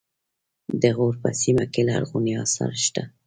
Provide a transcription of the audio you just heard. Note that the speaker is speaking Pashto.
د غور په سیمه کې لرغوني اثار شته